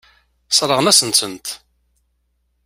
Sseṛɣen-asent-tent.